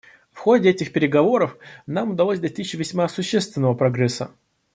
В ходе этих переговоров нам удалось достичь весьма существенного прогресса.